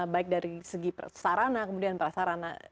baik dari segi sarana kemudian prasarana